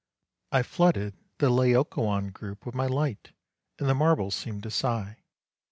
I flooded the Laocoon group with my light, and the marble seemed to sigh.